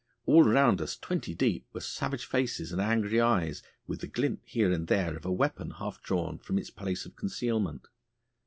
All round us twenty deep were savage faces and angry eyes, with the glint here and there of a weapon half drawn from its place of concealment.